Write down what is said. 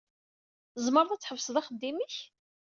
Tzemreḍ ad tḥebseḍ axeddim-ik?